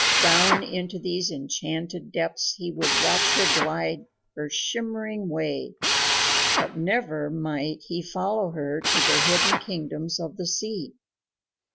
Down into these enchanted depths he would watch her glide her shimmering way, but never might he follow her to the hidden kingdoms of the sea.